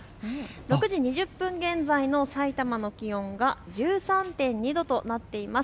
６時２０分現在のさいたまの気温が１３．２度となっています。